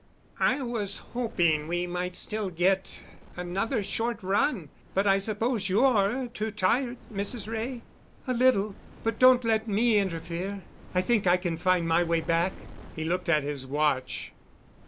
"I was hoping we might still get another short run, but I suppose you're too tired, Mrs. Wray?" "A little—but don't let me interfere. I think I can find my way back." He looked at his watch.